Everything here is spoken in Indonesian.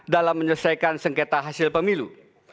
dalam menyelesaikan sengketa hasil pemilu